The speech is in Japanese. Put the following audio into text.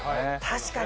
確かに。